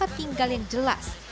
tempat tinggal yang jelas